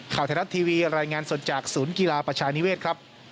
ข่าวไทยรัฐทีวีรายงานสดจากศูนย์กีฬาประชานิเวศครับ